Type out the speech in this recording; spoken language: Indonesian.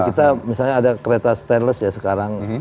kita misalnya ada kereta stainless ya sekarang